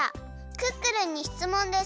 「クックルンにしつもんです。